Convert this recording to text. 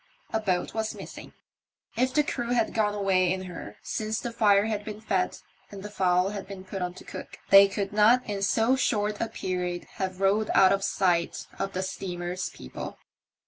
A boat was missing. If the crew had gone away in her since the fire had been fed and the fowl had been put on to cook, they could not in so short a period have rowed out of sight of the steamer's people.